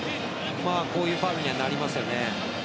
こういうファウルになりますね。